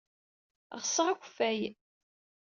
Ɣseɣ akeffay.